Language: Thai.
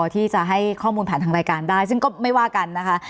ที่จะให้ข้อมูลผ่านทางรายการได้ซึ่งก็ไม่ว่ากันนะคะ